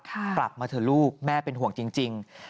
กลับมาเถอะลูกแม่เป็นห่วงจริง